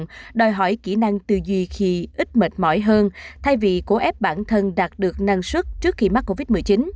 để giảm bớt tình trạng đòi hỏi kỹ năng tư duy khi ít mệt mỏi hơn thay vì cố ép bản thân đạt được năng suất trước khi mắc covid một mươi chín